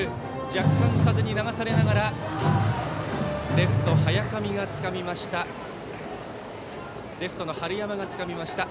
若干、風に流されながらレフト、春山がつかみました。